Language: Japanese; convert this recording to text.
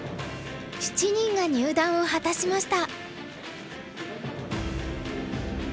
７人が入段を果たしました。